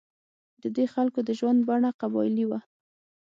د دې خلکو د ژوند بڼه قبایلي وه.